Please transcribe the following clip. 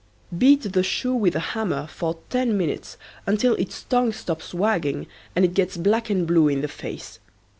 Beat the shoe with a hammer for ten minutes until its tongue stops wagging and it gets black and blue in the face.